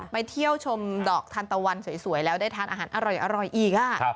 ไปเที่ยวชมดอกทันตะวันสวยแล้วได้ทานอาหารอร่อยอีก